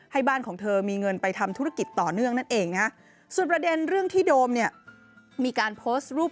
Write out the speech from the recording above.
ให้บ้านของเธอมีเงินไปทำธุรกิจต่อเนื่องนั้นเองคนี้มีการโพสต์รูป